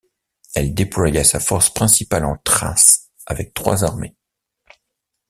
Elle déploya sa force principale en Thrace avec trois armées.